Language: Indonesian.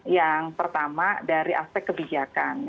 yang pertama dari aspek kebijakan